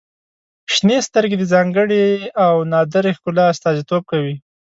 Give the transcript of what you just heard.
• شنې سترګې د ځانګړي او نادره ښکلا استازیتوب کوي.